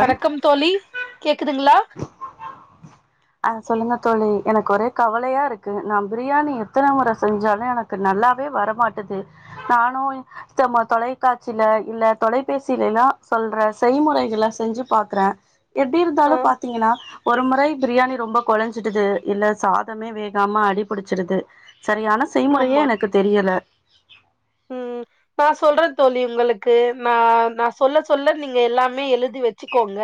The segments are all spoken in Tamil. வணக்கம் தோழி கேக்குதுங்ளா அ சொல்லுங்க தோழி எனக்கு ஒரே கவலையா இருக்கு நா பிரியாணி எத்தன முற செஞ்சாலு எனக்கு க்கு நல்லாவே வர மாட்டது நானு தம தொலைக்காட்சில இல்ல தொலைபேசில எல்லா சொல்ற செய்முறைகள செஞ்சு பாக்குறே எப்டி இருந்தாலு ஆ பாத்தீங்கன்னா ஒரு முறை பிரியாணி ரொம்ப கொலஞ்சிடுது இல்ல சாதமே வேகாம அடிபிடிச்சுடுது சரியான செய்முறையே ஆமா எனக்கு தெரியல ம் நா சொல்றே தோழி உங்களுக்கு நா நா சொல்ல சொல்ல நீங்க எல்லாமே எழுதி வச்சுக்கோங்க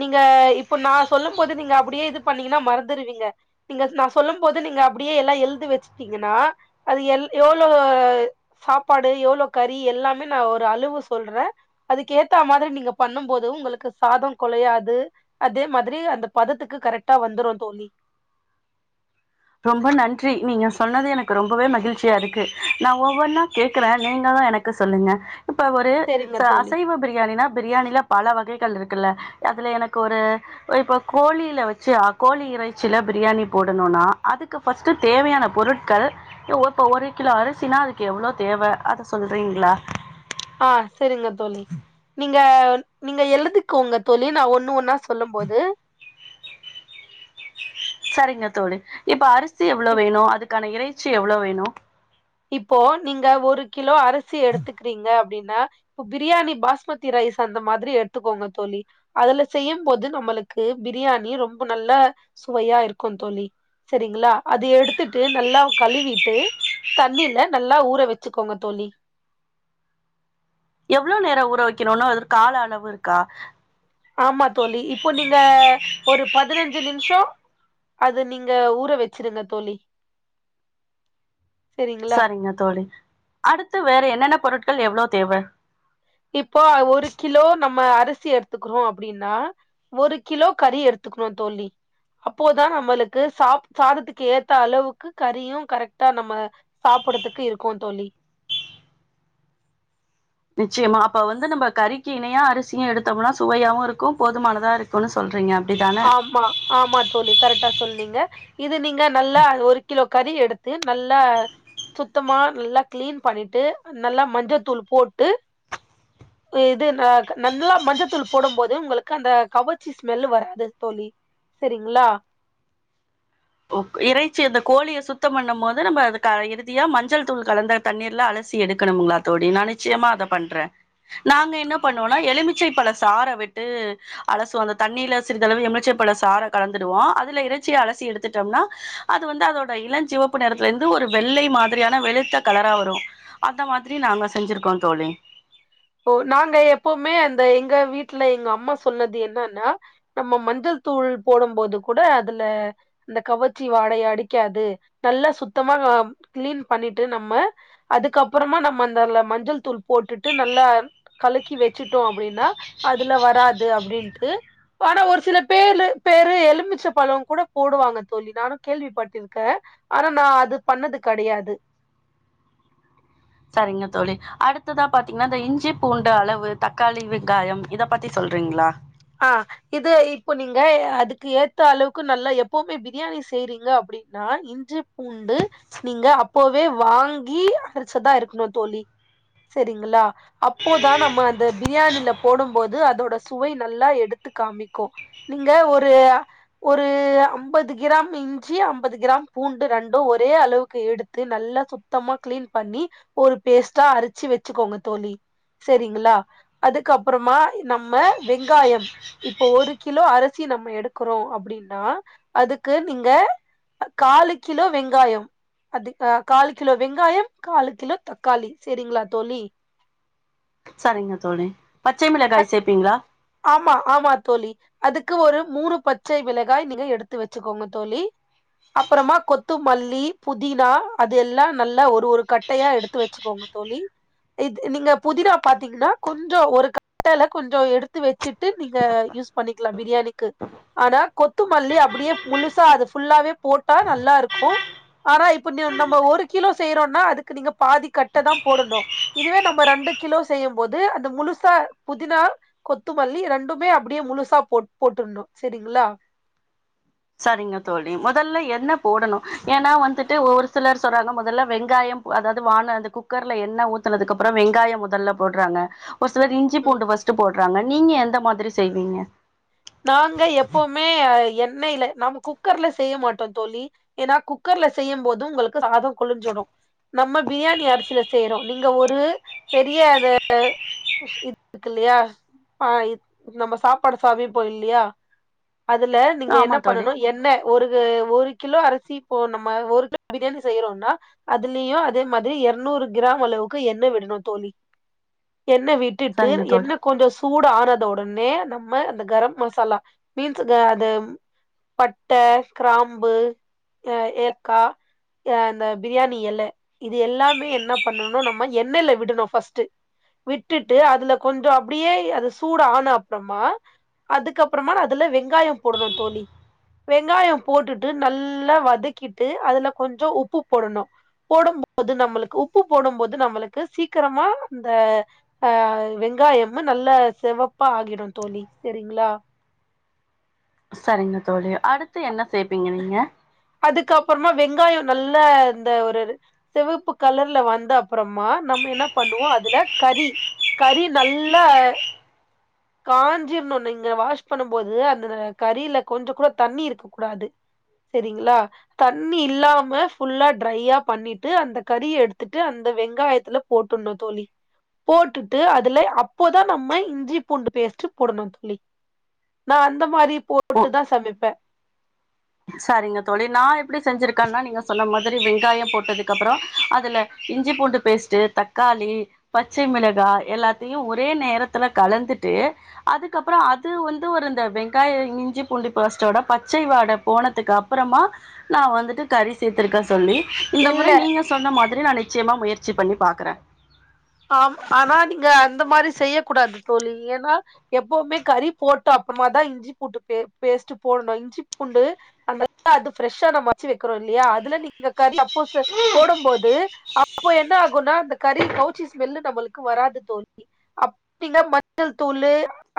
நீங்க இப்போ நா சொல்லம் போது நீங்க அப்படியே இது பண்ணீங்கன்னா மறந்துருவீங்க நீங்க நா சொல்லும் போது நீங்க அப்டியே எல்லா எழுதி வச்சுட்டீங்கன்னா அது எல் எவ்ளோ சாப்பாடு எவ்ளோ கறி எல்லாமே நா ஒரு அளவு சொல்றே அதுக்கு ஏத்த மாதிரி நீங்க பண்ணும் போது உங்களுக்கு சாதம் குலையாது அதே மாதிரி அந்த பதத்துக்கு கரெக்டா வந்துரு தோழி ரொம்ப நன்றி நீங்க சொன்னது எனக்கு ரொம்பவே மகிழ்ச்சியா இருக்கு நா ஒவ்வொன்னா கேக்குறே நீங்களு எனக் க்கு சொல்லுங்க இப்ப ஒரு செரிங்க சோ தோழி அசைவ பிரியாணின்னா பிரியாணில பல வகைகள் இருக்குல்ல அதுல எனக்கு ஒரு இப்ப கோழில வச்சு கோழி இறைச்சில பிரியாணி போடணுன்னா அதுக்கு ஃபர்ஸ்ட்டு தேவையான பொருட்கள் இப்ப ஒரு கிலோ அரிசினா அதுக்கு எவ்ளோ தேவை அத சொல்றீங்களா அ சரிங்க தோழி நீங்க நீங்க எழுதிக்கோங்க தோழி நா ஒண்ணு ஒன்னா சொல்லும் போது சரிங்க தோழி இப்ப அரிசி எவ்ளோ இப்- வேணு அதுக்கான இறைச்சி எவ்ளோ வேணு இப்போ நீங்க ஒரு கிலோ அரிசி எடுத்துக்குறீங்க அப்டின்னா இப்ப பிரியாணி பாஸ்மதி ரைஸ் அந்த மாதிரி எடுத்துக்கோங்க தோழி அதுல செய்யும்போது நம்மளுக்கு பிரியாணி ரொம்ப நல்லா சுவையா இருக்கு தோழி சரிங்களா அது எடுத்துட்டு நல்லா கழுவிட்டு தண்ணில நல்லா ஊற வச்சுக்கோங்க தோழி எவ்ளோ நேர ஊற வைக்கணுன்னு ஒரு கால அளவு இருக்கா ஆமா தோழி இப்ப நீங்க ஒரு பதினஞ்சு நிமிஷோ அது நீங்க ஊற வெச்சிருங்க தோழி செரிங்களா சரிங்க தோழி அடுத்து வேற என்னென்ன பொருட்கள் எவ்ளோ தேவை இப்போ ஒரு கிலோ நம்ம அரிசி எடுத்துக்கிறோ அப்டின்னா ஒரு கிலோ கறி எடுத்துக்கணு தோழி அப்போதா நம்மளுக்கு சாப் சாதத்துக்கு ஏத்த அளவுக்கு கறியும் கரெக்டா நம்ம சாப்புட்றதுக்கு இருக்கு தோழி நிச்சயமா அப்ப வந்து நம்ப கறிக்கு இணையா அரிசியு எடுத்தோம்னா சுவையாவு இருக்கும் போதுமானதா இருக் க்குனு சொல்றீங்க அப்டி தானே ஆமா ஆமா தோழி கரெக்டா சொன்னீங்க இது நீங்க நல்லா ஒரு கிலோ கறி எடுத்து நல்லா சுத்தமா நல்லா கிளீன் பண்ணிட்டு நல்லா மஞ்சத்தூள் போட்டு இது ந நல்லா மஞ்சத்தூள் போடும் போது உங்களுக்கு அந்த கவச்சி ஸ்மெல்லு வரா து தோழி சரிங்களா இறைச்சி அந்த கோழியை சுத்தம் பண்ணும் போது நம்ம அது இறுதியா மஞ்சள் தூள் கலந்த தண்ணீர்ல அலசி எடுக்கணுங்களா தோழி நா நிச்சயமா அத பண்றேன் நாங்க என்ன பண்ணுவோனா எலுமி ச்சு இப்ப நா சார விட்டு அலசுவோ ‌அந்த தண்ணியில சிறிதளவு எமிச்சைப்பழ சாரை கலந்துடுவோ அதுல இறைச்சிய அலசி எடுத்து த்துட்டோம்னா அது வந்து அதோட இளஞ்சிவப்பு நிறத்துல இருந்து ஒரு வெள்ளை மாதிரியான வெளுத்த கலரா வரும் அந்த மாதிரி நாங்க செஞ்சிருக்கோ தோழி ஓ நாங்க எப்பவுமே அந்த எங்க வீட்ல எங்க அம்மா சொன்னது என்னன்னா நம்ம மஞ்சள் தூள் போடம் போது கூட அதுல அந்த கவச்சி வாடைய அடிக்காது நல்லா சுத்தமா கிளீன் பண்ணிட்டு நம்ம அதுக்கப்புறமா நம்ம அந்தல மஞ்சள் தூள் போட்டுட்டு நல்லா கலக்கி வச்சுட்டோ அப்படின்னா அதுல வராது அப்டின்ட்டு ஆனா ஒரு சில பேரு பேரு எலுமிச்ச பழங் கூட போடுவாங்க தோழி நானு கேள்விப்பட்டிருக்கே ஆனா நா அது பண்ணது கடையாது சாரிங்க தோழி அடுத்ததா பாத்தீங்னா அந்த இஞ்சி பூண்டு அளவு தக்காளி வெங்காயம் இத பத்தி சொல்றீங்ளா ஆ இது இப்ப நீங்க ய அதுக்கு ஏத்த அளவுக்கு நல்ல எப்போமே பிரியாணி செய்றீங்க அப்டின்னான் இன்று பூண்டு நீங்க அப்பொவே வாங்கி அர்ச்சதா இருக்ணு தோழி சரிங்களா அப்போதா நம்ம அந்த பிரியாணில போடும்போது அதோட சுவை நல்லா எடுத்து காமிக்கு நீங்க ஒருஅ ஒரு அம்பது கிராம் இஞ்சி அம்பது க்ராம் பூண்டு ரெண்டும் ஒரே அளவுக்கு எடுத்து நல்லா சுத் த்தமா க்ளீன் பண்ணி ஒரு பேஸ்ட்டா அருச்சு வச்சுக்கோங்க தோழி சரிங்களா அதுக்கப்றமா நம்ம வெங்காயம் இப்போ ஒரு கிலோ அரிசி நம்ம எடுக்குறோ அப்டின்னா அதுக்கு நீங்க காலு கிலோ வெங்காயம் அது ஆ காலு கிலோ வெங்காயம் காலு கிலோ தக்காளி செரிங்ளா தோழி சரிங்க தோழி பச்சை அ- மளகாய் சேப்பீங்ளா ஆமா ஆமா தோழி அதுக்கு ஒரு மூணு பச்சை வளகாய் நீங்க எடுத்து வெச்சுக்கோங்க தோழி அப்பறமா கொத்துமல்லி புதினா அது எல்லா நல்லா ஒரு ஒரு கட் ட்டையா எடுத்து வெச்சுக்கோங்க தோழி இது நீங்க புதினா பாத்தீங்கன்னா கொஞ்சோ ஒரு கட் டல கொஞ்சோ எடுத் த்து வச்சுட்டு நீங்க யூஸ் பண்ணிக்கலா பிரியாணிக்கு ஆனா கொத்துமல்லி அப்படியே முழுசா அது ஃபுல்லாவே போட்டா நல்லாருக்கு ஆனா இப்ப ந்யு நம்ப ஒரு கிலோ செய்யறோம்னா அதுக்கு நீங்க பாதி கட்ட தா போடணு இதுவே நம்ம ரண்டு கிலோ செய்யும் போது அந்த முழுசா புதினா கொத்துமல்லி ரெண்டுமே அப்படியே முழுசா போட் போட்டுர்ணு சரிங்களா சரிங்க தோழி முதல்ல என்ன போடணு ஏன்னா வந்துட்டு ஓவொர் சிலர் சொல்றாங்க முதல்ல வெங்காயம் அதாவ்து வான அந்த குக்கர்ல எண்ண ஊத்துனக்கு அப்ற வெங்காய முதல்ல போட்றாங்க ஒ சிலர் இஞ்சி ம் பூண்டு வஸ்ட்டு போடுறாங்க நீங்க எந்த மாதிரி செய்வீங்க நாங்க எப்போமே எண்ணய்ல நாம குக்கர்ல செய்ய மாட்டோ தோழி ஏன்னா குக்கர்ல செய்யும் போது உங்களுக்கு சாதோ குளிஞ்சிடு நம்ம பிரியாணி அரிசில செய்றோ நீங்க ஒரு பெரிய அத இஷ் இத்துக்குலையா ஆ இத் நம்ம சாப்பாடு சாவி பொய்ல்லியா அதுல நீங்க ஆமா என்னனு தோழி பண்ணணு என்ன ஒருகு ஒரு கிலோ அரிசி இப்போ நம்ம ஒரு கிலோ பிரியாணி செய்யறோனா அதுலியு அதே மாதிரி யர்நூறு கிராம் அளவுக்கு எண்ணெ விடணு தோழி எண்ண விட் டிட்டுட்டு சரிங்க என்ன தோழி கொஞ்சோ சூட் ஆரத உடனே நம்ம அந்த கரம் மசாலா பீன்ஸுக அதெம் பட்ட க்ராம்பு எ ஏக்கா எ ந்த பிரியாணி எலே இது எல்லாமே என்ன பண்ணுனு நம்ம எண்ணெய்ல விடணு ஃபஸ்ட்டு விட்டுட்டு அதுல கொஞ்சோ அப்டியேய் அது சூட் ஆன அப்றம்மா அதுக்கப்பறமா நா அதுல வெங்காயோ போடணு தோழி வெங்காயோ போட்டுட்டு நல்லா வதக்கிட்டு அதுல கொஞ்சோ உப்பு போடணு போடும் ப்து நம்ளுக்கு உப்பு போடும் போது நம்மளுக்கு சீக்ரமா இந்த ஆ வெங்காயம்மு நல்லா செவப்பா ஆகிடு தோழி சரிங்ளா சரிங்க தோழி அடுத்து என்ன சேப்பீங்க நீங்க அதுக்கப்பற்மா வெங்காயோ நல்ல இந்த ஒருரு சிவப்பு கலர்ல வந்த அப்பறமா நம்ம என்ன பண்ணுவோ அதுல கறி கறி நல்லா காஞ்சிர்னு நீங்க வாஷ் பண்ணும் போது அந்த கறில கொஞ்சோ கூட தண்ணி இருக் கூடாது சேரிங்ளா தண்ணி இல்லாம ஃபுல்லா ட்ரையா பண்ணிட்டு அந்த கறிய எடுத்துட்டு அந்த வெங்காயத்துல போட்டுனு தோழி போட்டுட்டு அதுல அப்போதா நம்ம இஞ்சி பூண்டு பேஸ்ட்டு போடணு தோழி நா அந்த மாரி ஓ போட்டுட்டுதா சமைப்ப சரிங்க தோழி நா எப்டி செஞ்சிருக்கேன்னா நீங்க சொன்ன மாதிரி வெங்காயம் போட்டதுக்கு அப்புறோ அதுல இஞ்சி பூண்டு பேஸ்ட்டு தக்காளி பச்சை மிளகா எல்லாத்தையு ஒரே நேரத்துல கலந்துட்டு அதுக்கப்புறோ அது வந்து ஒரு இந்த வெங்காய இஞ்சி பூண்டி பேஸ்டோட பச்சை வாட போனதுக்கு அப்புறமா நா வந்துட்டு கறி சேர்த்துருக்க சொல்லி இந்த இல்ல முறை நீங்க சொன்ன மாதிரி நா நிச்சயமா முயற்சி பண்ணி பாக்குற ஆம் ஆனா நீங்க அந்த மாரி செய்ய கூடாது தோழி ஏன்னா எப்பவுமே கறி போட்ட அப்றமாதா இஞ்சி பூட்டு பே பேஸ்ட்டு போடணு இஞ்சிப் பூண்டு அதனால அது ஃப்ரெஷ்ஷா நம்ம அரச்சு வெக்றோ இல்லையா அதுல நீங்க கறி சப்போசு போடும்போது அப்போ என்ன ஆகுன்னா அந்த கறி கவுச்சி ஸ்மெல்லு நம்மளுக்கு வராது தோழி அப்டினா மஞ்சள் தூளு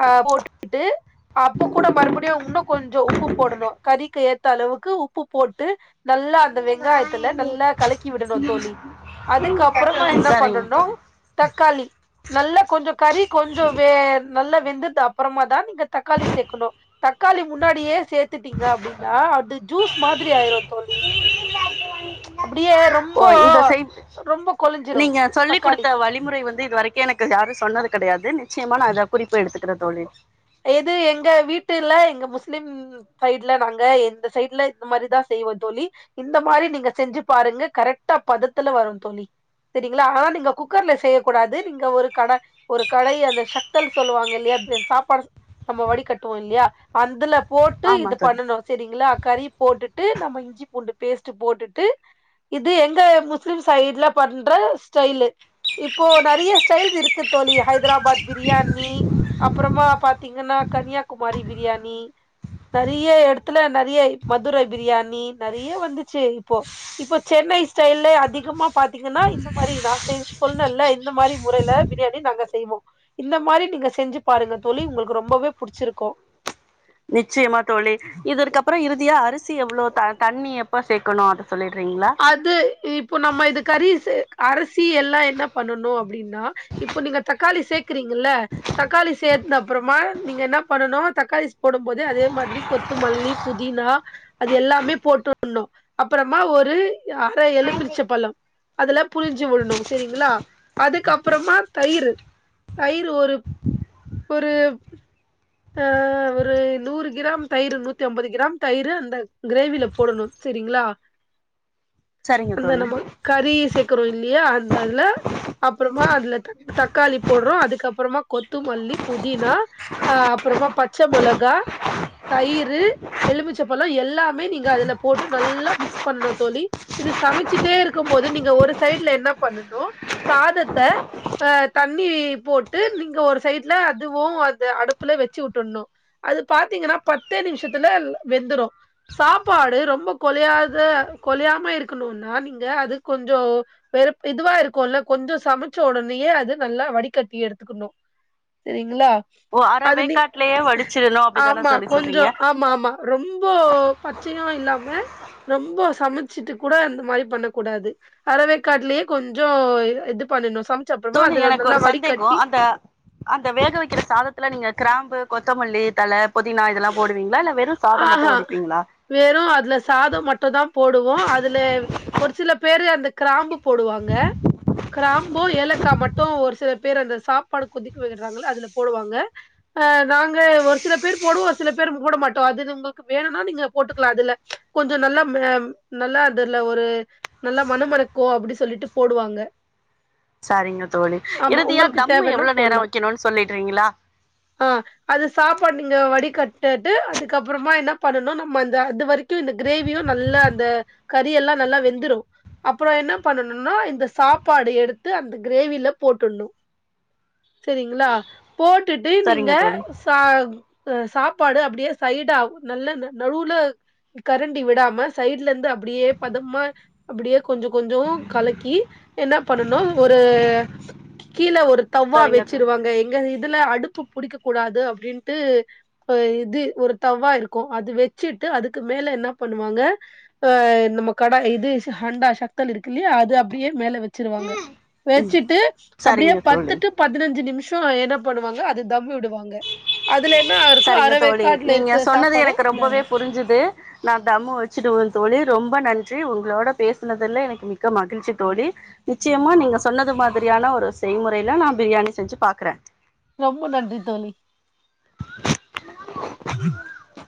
அ போட்டுட்டு அப்ப கூட மறுபடியு உன்னு கொஞ்சோ உப்பு போடணு கறிக்கு ஏத்த அளவுக்கு உப்பு போட்டு நல்லா அந்த வெங்காயத்துல நல்லா கலக்கி விடணு தோழி அதுக்கு அப்பறமா என்ன சரிங்க பண்ணனு தோழி தக்காளி நல்லா கொஞ்சோ கறி கொஞ்சோ வே நல்லா வெந்துது அப்பறமா தா நீங்க தக்காளி சேக்கணு தக்காளி முன்னாடியே சேத்துட்டீங்க அப்டின்னா அது ஜூஸ் மாதிரி ஆயிரு தோழி அப்டியே ரொம் ஓ இந்த சைட் நீங்க சொல்லிக் தக்காளி குடுத்த வழிமுறை வந் து இதுவரைக்கு எனக்கு யாரு சொன்னது கெடையாது நிச்சயமா நா இத குறிப்பு எடுத்துக்குற தோழி இது எங்க வீட்டுல எங்க முஸ்லிம் சைட்ல நாங்க எந்த சைட்ல இந்த மாரிதா செய்வோ தோழி இந்த மாரி நீங்க செஞ்சு பாருங்க கரெக்ட்டா பதத்துல வரு தோழி சரிங்ளா ஆ நீங்க குக்கர்ல செய்ய கூடாது நீங்க ஒரு கடா ஒரு கடைய அந்த சக்தல் சொல்லுவாங்க இல்லையா பே சாப்பாட நம்ம வடி கட்டுவோ இல்லயா அதுல போட்டு ஆமா இத தோழி பண்ணனு சைரிங்களா கறி போட்டுட்டு நம்ம இஞ்சி பூண்டு பேஸ்ட்டு போட்டுட்டு இது எங்க முஸ்லிம் சைடுல பண்ற ஸ்டைலு இப்போ நறைய ஸ்டைல்ஸ் இருக்கு தோழி ஹைதராபாத் பிரியாணி அப்றமா பாத் திங்கன்னா கன்னியாகுமாரி பிரியாணி நெறைய எடத்துல நெறைய மதுரை பிரியாணி நெறைய வந்துச்சு இப்போ இப்ப சென்னை ஸ்டைல்ல அதிகமா பாத்தீங்கன்னா இந்த மாரி நா செ சொன்னேல்ல இந்த மாரி முறைல பிரியாணி நாங்க செய்வோ இந்த மாரி நீங்க செஞ்சு பாருங்க தோழி உங்ளுக்கு ரொம்பவே புடிச்சிருக்கு நிச்சயமா தோழி இதற்கு அப்புறோ இறுதியா அரிசி எவ்ளோ த தண்ணி எப்ப சேக்கணு அத சொல்லிறீங்களா அது இப்போ நம்ம இது கரி சே அரிசி எல்லா என்ன பண்ணணு அப்டின்னா இப்ப நீங்க தக்காளி சேக்கறீங்கல்ல தக்காளி சேத்ன அப்றமா நீங்க என்ன பண்ணனு தக்காளி போடு போது அதே மாதிரி கொத்துமல்லி புதினா அது எல்லாமே போட்டுணும் அப்புறமா ஒரு அர எலுமிச்ச பழம் அதுல புளிஜ்ஜீ விடணு சரிங்களா அதுக்கப்றமா தயிர் தயிர் ஒரு ஒரு அ ஒரு நூறு கிராம் தயிரு நூத்தி ஐம்பது கிராம் தயிரு அந்த கிரேவில போடணு சரிங்களா சரிங்க அந்த தோழி நம்ம கறி சேர்க்றோம் இல்லையா அந்ததுல அப்புறமா அதுல தக்காளி போடுறோம் அதுக்கப்புரோமா கொத்துமல்லி புதினா அ அப்றமா பச்ச மோளகா தயிரு எலுமிச்சப்பழ எல்லாமே நீங்க அதுல போட்டு நல்லா மிக்ஸ் பண்ணணும் தோழி இத சமைச்சுட்டே இருக்கும போது நீங்க ஒரு சைட்ல என்ன பண்ணணும் சாதத்த அ தண்ணி போட்டு நீங்க ஒரு சைட்ல அதுவும் அந்த அடுப்புல வச்சு விட்றணும் அது பாத்தீங்னா பத்தே நிமிஷத்துல வெந்துடு சாப்பாடு ரொம்ப கொலையாத கொலையாம இருக்கணுனா நீங்க அது கொஞ்சோ வெறுப் இதுவா இருக்குல்ல கொஞ்சோ சமைச்ச உடனயே அது நல்லா வடிகட்டி எடுத்துக்கணு சரிங்ளா ஓ அர அது நீ வேக்காட்லயே வடிச்சிடணு அப்டிதான ஆம்மா தோழி கொஞ்சோ சொல்றீங்க ஆமாம்மா ரொம்ப பத் ச்சுயோ இல்லாம ரொம்போ சமைச்சுட்டு கூட அந்த மாரி பண்ணக்கூடாது அறவேக்காட்லயே கொஞ்சோ இது பண்ணணு ச தோழி எனக்கு ஒரு சந்தேகோ அந்த அந்த வேக வைக்கிற சாதத்துல நீங்க கிராம்பு கொத்தமல்லி தல புதினா இதெல்லா போடுவீங்களா இல்ல வெறு சாதோ மட்டு வடிப்பீங்களா வெறு அதுல சாதம் மட்டு தா போடுவோம் அதுல ஒரு சில பேரு அந்த கிராம்பு போடுவாங்க கிராம்பு ஏலக்கா மட்டு ஒரு சில பேர் அந்த சாப்பாடு கொதிக்க வைக்குறாங்கள அதுல போடுவாங்க ஆ நாங்க ஒரு சில பேர் போடுவோ ஒரு சில பேர் போடமாட்டோ அது உங்களுக்கு வேணும்னா நீங்க போட்டுக்கலாம் அதுல கொஞ்சோ நல்லா நல்லா அதுல ஒரு நல்லா மனமனக்கு அப்டின்னு சொல்லிட்டு போடுவாங்க சரிங்க தோழி ஆமா இறுதியா உங்களுக்கு தம் தேவைன்னா எவ்ளோ போடலாம். நேரோ வைக்கணும்னு சொல்லிடுறீங்களா ஆ அது சாப்பாடு நீங்க வடி கட்டனதூ அது அதுக்கு அப்புறமா என்ன பண்ணனும் நம்ம அந்த அது வரைக்கு இந்த கிரேவியு நல்ல அந்த கறி எல்லா நல்லா வெந்துரும் அப்புறோ என்ன பண்ணணும்னா இந்த சாப்பாடு எடுத்து அந்த கிரேவில போட்டுணும் சரிங்களா போட்டுட்டு நீங்க சரிங்க தோழி சா சாப்பாடு அப்டியே சைடா ஆ நல்ல நடுவுல கரண்டி விடாம சைடு்ல இருந்து அப்டியே பதமா அப்டியே கொஞ்சோ கொஞ்சோ கலக்கி என்னா பண்ணனும் ஒரு கீழே ஒரு தவ்வா சரிங்க தோழி வச்சிருவாங்க எங்க இதுல அடுப்பு பிடிக்க கூடாது அப்டின்ட்டு அ இது ஒரு தவ்வா இருக்கு அது வச்சுட்டு அதுக்கு மேல என்ன பண்ணுவாங்க ஆ நம்ம கடா இது ஹண்டா சக்தல் இருக்குல்லையா அது அப்டியே மேல வச்சிருவாங்க ம் வச்சுட்டு அப்டியே சரிங்க பத்து தோழி டு பதினஞ்சு நிமிஷோ என்ன பண்ணுவாங்க அத தம் விடுவாங்க அதுல என்ன இருக்கோ சரிங்க அரவே தோழி நீங்க சொன்னது எனக்கு ரொம்பவே புரிஞ்சுது நா தம்மு வச்சுடுவே தோழி ரொம்ப நன்றி உங்களோட பேசுனதுல எனக்கு மிக்க மகிழ்ச்சி தோழி நிச்சயமா நீங்க சொன்னது மாதிரியான ஒரு செய்முறையில நா பிரியாணி செஞ்சு பாக்குறே ரொம்ப நன்றி தோழி [inaudible]